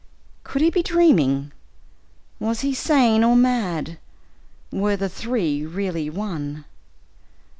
Could he be dreaming? Was he sane or mad, or were the three really one?